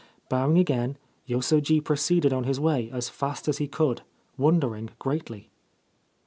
Bowing again, Yosoji proceeded on his way as fast as he could, wondering greatly.